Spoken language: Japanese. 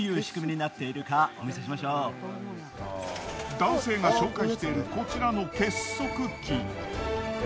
男性が紹介しているこちらの結束機。